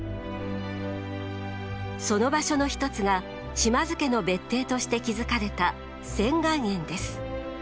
その場所の一つが島津家の別邸として築かれた仙巌園です。